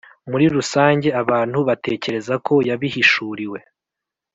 muri rusange abantu batekereza ko yabihishuriwe